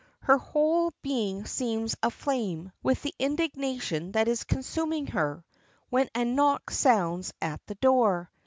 Her whole being seems aflame with the indignation that is consuming her, when a knock sounds at the door.